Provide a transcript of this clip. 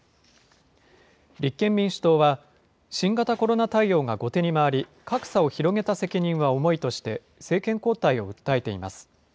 立憲民主党は、新型コロナ対応が後手に回り、格差を広げた責任は重いとして、政権交代を訴えています。